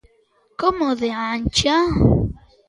Como de ancha?